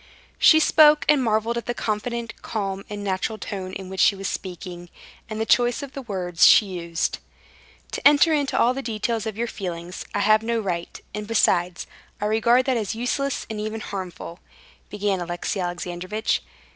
She spoke, and marveled at the confident, calm, and natural tone in which she was speaking, and the choice of the words she used. "To enter into all the details of your feelings I have no right, and besides, I regard that as useless and even harmful," began Alexey Alexandrovitch.